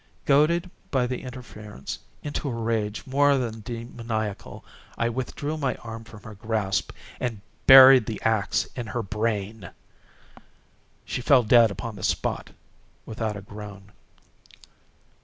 Goaded, by the interference, into a rage more than demoniacal, I withdrew my arm from her grasp and buried the axe in her brain. She fell dead upon the spot, without a groan.